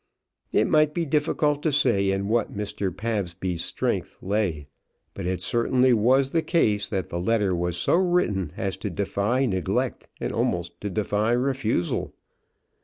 It might be difficult to say in what Mr. Pabsby's strength lay, but it certainly was the case that the letter was so written as to defy neglect and almost to defy refusal.